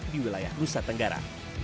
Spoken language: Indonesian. di wilayah nusa tenggara